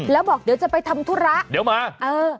แล้วบอกเดี๋ยวจะไปทำธุระเดี๋ยวมาเออ